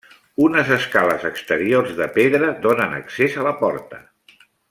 Unes escales exteriors de pedra donen accés a la porta.